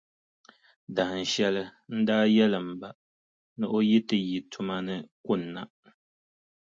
Dahinshɛli, n daa yɛli m ba, ni o yi ti yi tuma ni kunna,